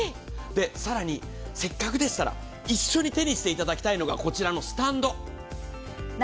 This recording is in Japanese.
更にせっかくでしたら、一緒に手にしていただきたいのがこちらのスタンド。